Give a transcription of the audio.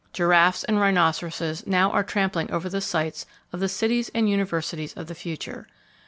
Giraffes and rhinoceroses now are trampling over the sites of the cities and universities of the future.